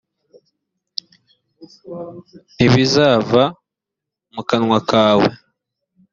ntibizava mu kanwa kawe